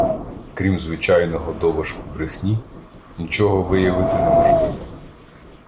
Крім звичайного «доважку брехні», нічого виявити неможливо